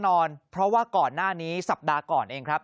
นอนเพราะว่าก่อนหน้านี้สัปดาห์ก่อนเองครับ